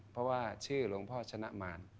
เพราะว่าชื่อหลวงพ่อชนะมาร